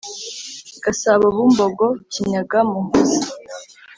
Gasabo Bumbogo Kinyaga Muhozi